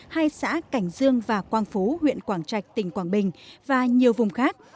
hai xã cảnh dương và quang phú huyện quảng trạch tỉnh quảng bình và nhiều vùng khác